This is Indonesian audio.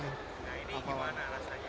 nah ini gimana rasanya